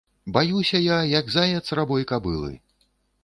Баюся я, як заяц рабой кабылы.